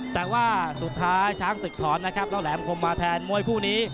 แต่ว่าสุดท้ายช้างศึกถอนนะครับแล้วแหลมคมมาแทนมวยคู่นี้